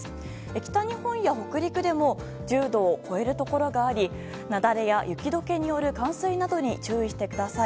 北日本や北陸でも１０度を超えるところがありなだれや雪解けによる冠水などに注意してください。